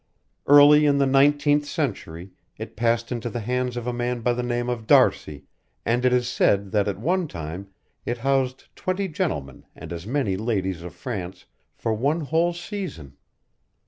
Early in the nineteenth century it passed into the hands of a man by the name of D'Arcy, and it is said that at one time it housed twenty gentlemen and as many ladies of France for one whole season.